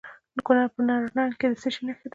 د کونړ په نرنګ کې څه شی شته؟